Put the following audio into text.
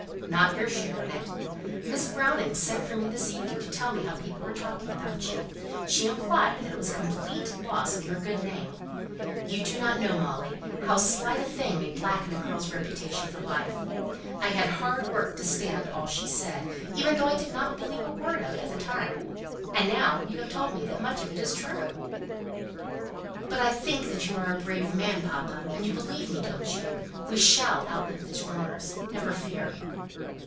"Not your share in it. Miss Browning sent for me this evening to tell me how people were talking about you. She implied that it was a complete loss of your good name. You don't know, Molly, how slight a thing may blacken a girl's reputation for life. I'd hard work to stand all she said, even though I didn't believe a word of it at the time. And now you've told me that much of it is true." "But I think you are a brave man, papa. And you believe me, don't you? We shall outlive these rumours, never fear."